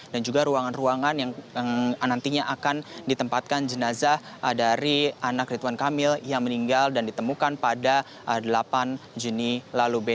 dan juga ruangan ruangan yang nantinya akan ditempatkan jenazah dari anak rituan kamil yang meninggal dan ditemukan pada delapan juni lalu